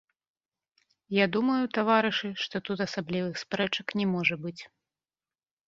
Я думаю, таварышы, што тут асаблівых спрэчак не можа быць.